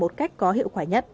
một cách có hiệu quả nhất